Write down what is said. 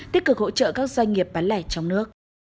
tích cực hỗ trợ các doanh nghiệp bán lẻ trong nước